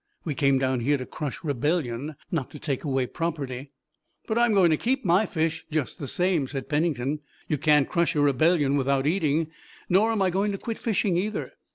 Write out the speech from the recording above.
We came down here to crush rebellion, not to take away property." "But I'm going to keep my fish, just the same," said Pennington. "You can't crush a rebellion without eating. Nor am I going to quit fishing either."